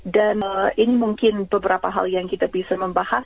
dan ini mungkin beberapa hal yang kita bisa membahas